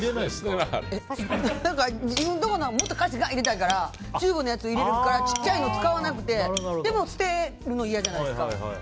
自分のところはもっと入れたいからチューブのやつを入れるから小さいの使わなくてでも捨てるの嫌じゃないですか。